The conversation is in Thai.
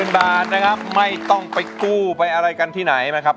นะครับไม่ต้องไปกู้ไปอะไรกันที่ไหนนะครับ